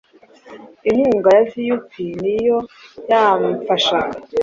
inkunga ya vup niyo yamfashaga